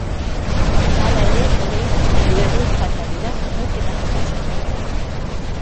Hala ere, oraindik hiru egun falta dira neurketa jokatzeko.